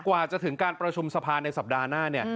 กว่าจะถึงการประชุมสภาในสัปดาห์หน้าเนี่ย